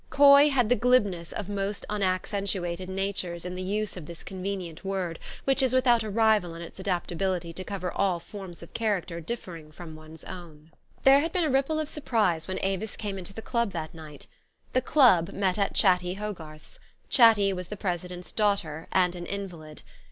Coy had the glibness of most unaccentuated natures in the use of this convenient word, which is with out a rival in its adaptability to cover all forms of character differing from one's own. There had been a ripple of surprise when Avis came into the club that night. The club met at Chatty Hogarth's. Chatty was the president's daughter, and an invalid.